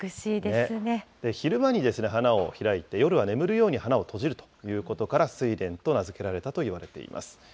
昼間にですね、花を開いて、夜は眠るように花を閉じるということから、睡蓮と名付けられたといわれています。